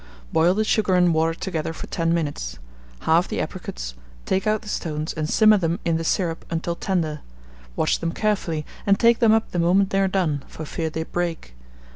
Boil the sugar and water together for 10 minutes; halve the apricots, take out the stones, and simmer them in the syrup until tender; watch them carefully, and take them up the moment they are done, for fear they break.